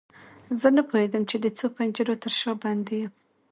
زه نه پوهیدم چې د څو پنجرو تر شا بندي یم.